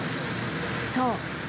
そう！